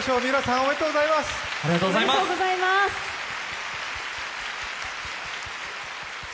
おめでとうございます。